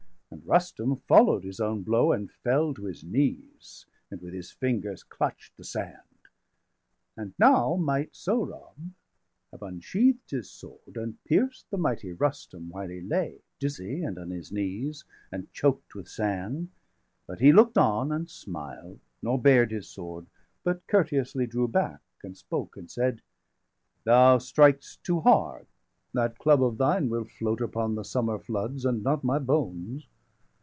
And Rustum follow'd his own blow, and fell 420 To his knees, and with his fingers clutch'd the sand; And now might Sohrab have unsheathed his sword, And pierced the mighty Rustum while he lay Dizzy, and on his knees, and choked with sand; But he look'd on, and smiled, nor bared his sword, 425 But courteously drew back, and spoke, and said: "Thou strik'st too hard! that club of thine will float Upon the summer floods, and not my bones.